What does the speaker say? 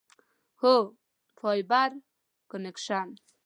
هو، فایبر کنکشن